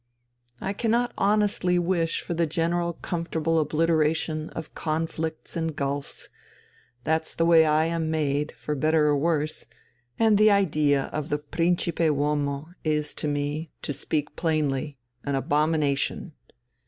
I cannot honestly wish for the general comfortable obliteration of conflicts and gulfs, that's the way I am made, for better or worse, and the idea of the principe uomo is to me, to speak plainly, an abomination.